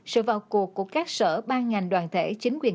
sự vào cuộc của các sở ban ngành đoàn thể chính quyền